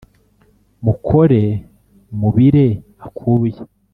mukore mubire akuya